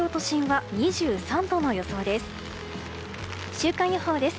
週間予報です。